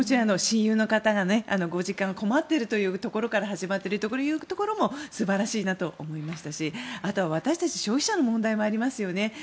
親友の方のご実家が困っているところから始まっているというところも素晴らしいなと思いましたしあとは私たち消費者の問題でもありますよね。